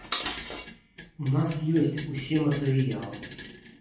У нас ёсць усе матэрыялы.